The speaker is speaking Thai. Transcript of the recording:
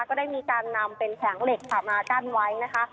ก็ได้มีการนำเป็นแผงเหล็กค่ะมากั้นไว้นะคะ